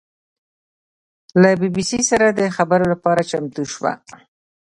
له بي بي سي سره د خبرو لپاره چمتو شوه.